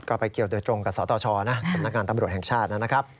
ก็ไปเกี่ยวโดยตรงกับสตชนะสำนักงานตำรวจแห่งชาตินะครับ